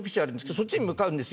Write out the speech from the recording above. そっちに向かうんですよ。